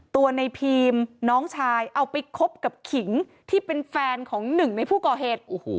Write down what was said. ตัวในพีมน้องชายเอาไปคบกับขิงที่เป็นแฟนของหนึ่งในผู้ก่อเหตุ